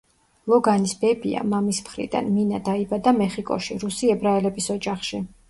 ლოგანის ბებია, მამის მხრიდან, მინა დაიბადა მეხიკოში, რუსი ებრაელების ოჯახში.